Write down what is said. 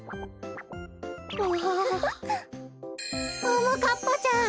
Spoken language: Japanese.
ももかっぱちゃん！